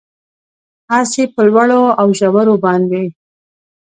اس یې په لوړو اوژورو باندې،